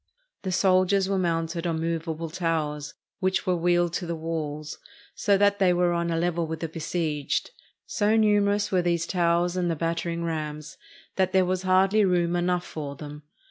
The soldiers were mounted on movable towers, which were wheeled to the walls, so that they were on a level with the besieged. So numerous were these towers and the battering rams, that there was hardly room enough for them.